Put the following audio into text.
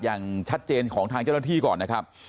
อย่างชัดเจนของทางเจ้าหน้าที่ก่อนนะครับ